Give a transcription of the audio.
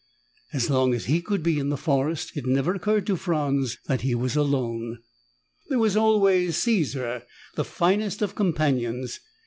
As long as he could be in the forest, it never occurred to Franz that he was alone. There was always Caesar, the finest of companions.